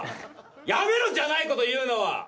やめろじゃないこと言うのは。